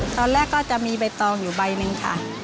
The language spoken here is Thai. ตอนแรกก็จะมีใบตองอยู่ใบหนึ่งค่ะ